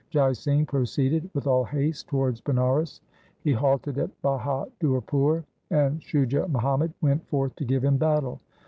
Jai Singh proceeded with all haste towards Banaras. He halted at Bahadurpur and Shujah Muhammad went forth to give him battle.